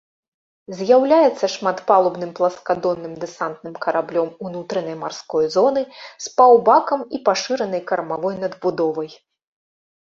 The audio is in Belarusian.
З'яўляецца шматпалубным, пласкадонным дэсантным караблём унутранай марской зоны з паўбакам і пашыранай кармавой надбудовай.